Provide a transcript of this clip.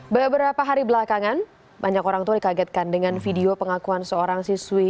beberapa hari belakangan banyak orang tua dikagetkan dengan video pengakuan seorang siswi